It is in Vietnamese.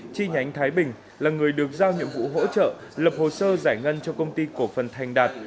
chi nhánh thái bình là người được giao nhiệm vụ hỗ trợ lập hồ sơ giải ngân cho công ty cổ phần thành đạt